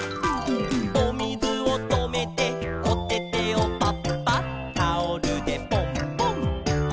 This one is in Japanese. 「おみずをとめておててをパッパッ」「タオルでポンポン」